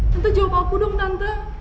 tentu jawab aku dong tante